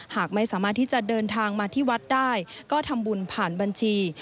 หากไม่สามารถที่จะเดินทางมาที่วัดได้ก็ทำบุญผ่านบัญชี